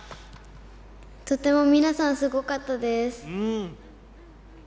とても皆さんすごかったです。